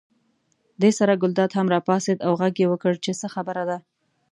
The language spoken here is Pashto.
دې سره ګلداد هم راپاڅېد او غږ یې وکړ چې څه خبره ده.